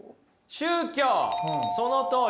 宗教そのとおり。